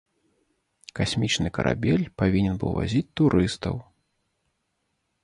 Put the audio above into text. Касмічны карабель павінен быў вазіць турыстаў.